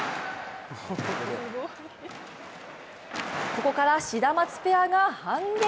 ここからシダマツペアが反撃。